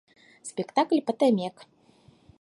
Спектакль пытымек